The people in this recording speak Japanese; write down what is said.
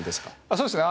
そうですね。